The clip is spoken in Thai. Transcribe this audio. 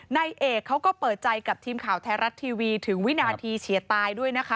นายเอกเขาก็เปิดใจกับทีมข่าวไทยรัฐทีวีถึงวินาทีเฉียตายด้วยนะคะ